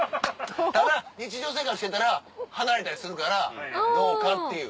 ただ日常生活してたら離れたりするからどうかという。